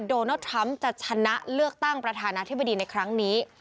โดนัลดทรัมป์จะชนะเลือกตั้งประธานาธิบดีในครั้งนี้